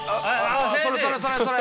それそれそれそれ。